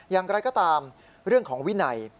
อย่างไรก็ตามเรื่องของวินัย